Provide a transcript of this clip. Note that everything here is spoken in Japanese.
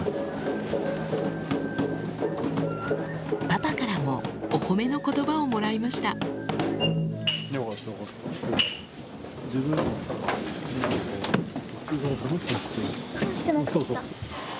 パパからもお褒めの言葉をもらいました楽しくなって来た。